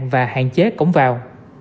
và hạn chế cống vào